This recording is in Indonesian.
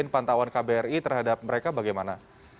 pantauan kbri terhadap mereka bagaimana